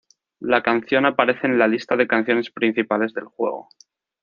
La canción aparece en la lista de canciones principales del juego.